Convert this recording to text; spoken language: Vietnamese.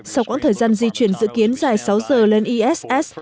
sau quãng thời gian di chuyển dự kiến dài sáu giờ lên iss